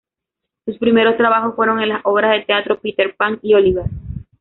Sus primeros trabajos fueron en las obras de teatro "Peter Pan" y "Oliver".